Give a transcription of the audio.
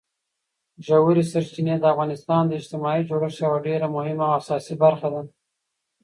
ژورې سرچینې د افغانستان د اجتماعي جوړښت یوه ډېره مهمه او اساسي برخه ده.